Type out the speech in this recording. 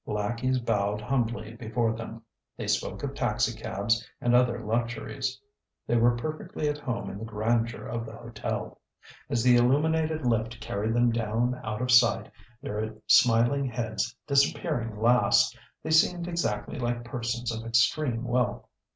Lackeys bowed humbly before them. They spoke of taxicabs and other luxuries. They were perfectly at home in the grandeur of the hotel. As the illuminated lift carried them down out of sight, their smiling heads disappearing last, they seemed exactly like persons of extreme wealth.